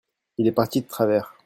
il est parti de travers.